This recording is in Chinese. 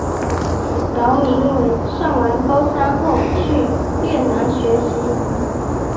姚明伟上完高三后去越南学习。